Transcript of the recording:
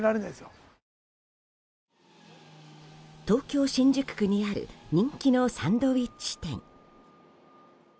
東京・新宿区にある人気のサンドイッチ店。